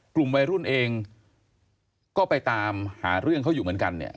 กลุ่มวัยรุ่นเองก็ไปตามหาเรื่องเขาอยู่เหมือนกันเนี่ย